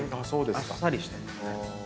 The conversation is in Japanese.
あっさりしてますね。